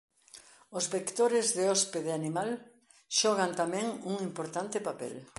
Os vectores de hóspede animal xogan tamén un importante papel.